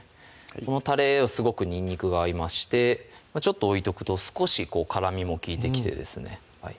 このたれはすごくにんにくが合いましてちょっと置いとくと少し辛みも利いてきてですね